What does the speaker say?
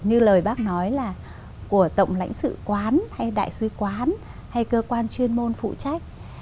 như lời bác nói là của tổng lãnh sự quán hay đại sứ quán hay cơ quan chuyên môn phụ trách